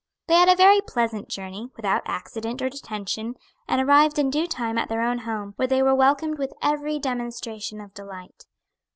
They had a very pleasant journey, without accident or detention, and arrived in due time at their own home, where they were welcomed with every demonstration of delight.